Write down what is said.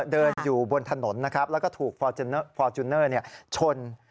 เดินอยู่บนถนนนะครับแล้วก็ถูกฟอร์จูเนอร์ชน